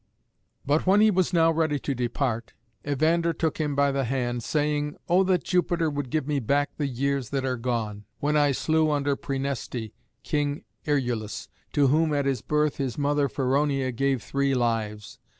But when he was now ready to depart, Evander took him by the hand, saying, "O that Jupiter would give me back the years that are gone, when I slew, under Præneste, King Erulus, to whom at his birth his mother, Feronia, gave three lives.